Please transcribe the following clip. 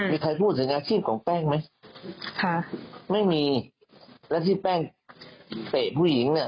มีใครพูดถึงอาชีพของแป้งไหมค่ะไม่มีแล้วที่แป้งเตะผู้หญิงเนี่ย